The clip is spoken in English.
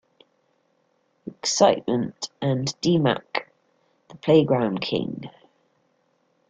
Excitement" and "D-Mac: The Playground King.